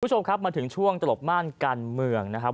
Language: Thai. คุณผู้ชมครับมาถึงช่วงตลบม่านการเมืองนะครับ